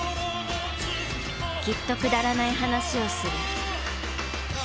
きっとくだらない話をする。